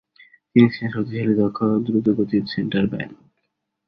তিনি ছিলেন শক্তিশালী, দক্ষ ও দ্রুতিগতির সেন্টার-ব্যাক।